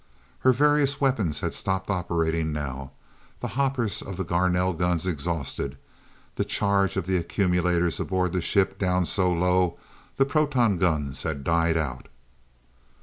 Her various weapons had stopped operating now, the hoppers of the Garnell guns exhausted, the charge of the accumulators aboard the ship down so low the proton guns had died out.